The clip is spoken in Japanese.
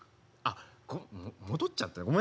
あっ戻っちゃった。